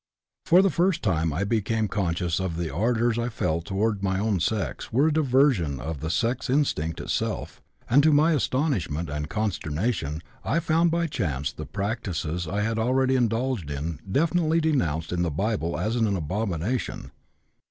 For the first time I became conscious that the ardors I felt toward my own sex were a diversion of the sex instinct itself, and to my astonishment and consternation I found by chance the practices I had already indulged in definitely denounced in the Bible as an abomination.